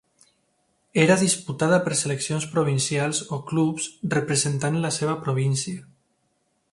Era disputada per seleccions provincials o clubs representant la seva província.